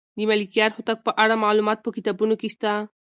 د ملکیار هوتک په اړه معلومات په کتابونو کې شته.